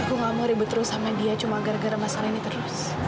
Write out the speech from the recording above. aku gak mau ribut terus sama dia cuma gara gara masalah ini terus